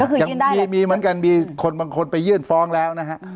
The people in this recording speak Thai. ก็คือยื่นได้แหละมีมันกันมีคนบางคนไปยื่นฟ้องแล้วนะฮะ